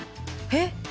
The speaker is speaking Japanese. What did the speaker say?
えっ？